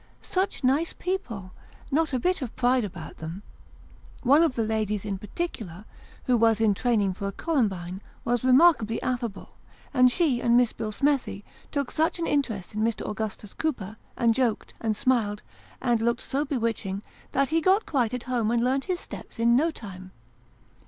Such nice people ! Not a bit of pride about them. One of the ladies in par ticular, who was in training for a Columbine, was remarkably affable ; and she and Mies Billsmethi took such an interest in Mr. Augustus Cooper, and joked, and smiled, and looked so bewitching, that he got quite at home, and learnt his steps in no time.